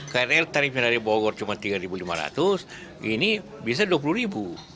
krl tarifnya dari bogor cuma rp tiga lima ratus ini bisa rp dua puluh